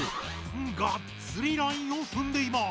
がっつりラインをふんでいます。